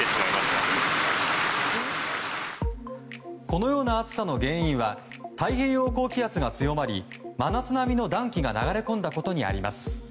このような暑さの原因は太平洋高気圧が強まり真夏並みの暖気が流れ込んだことにあります。